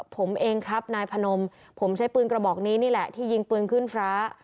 ผมเองครับนายพนมผมใช้ปืนกระบอกนี้นี่แหละที่ยิงปืนขึ้นฟ้า